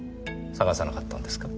捜さなかったんですか？